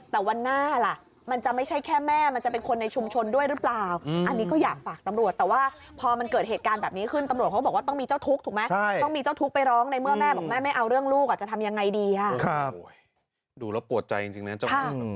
แต่วันหน้าล่ะมันจะไม่ใช่แค่แม่มันจะเป็นคนในชุมชนด้วยหรือเปล่าอันนี้ก็อยากฝากตำรวจแต่ว่าพอมันเกิดเหตุการณ์แบบนี้ขึ้นตำรวจเขาบอกว่าต้องมีเจ้าทุกข์ถูกไหมต้องมีเจ้าทุกข์ไปร้องในเมื่อแม่บอกแม่ไม่เอาเรื่องลูกจะทำยังไงดีดูแล้วปวดใจจริงนะเจ้าภาพ